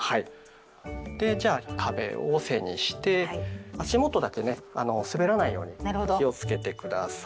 でじゃあ壁を背にして足元だけね滑らないように気をつけて下さい。